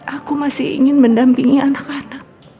aku masih ingin mendampingi anak anak